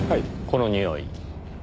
このにおい。